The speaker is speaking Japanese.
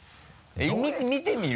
見てみる？